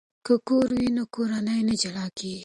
که کور وي نو کورنۍ نه جلا کیږي.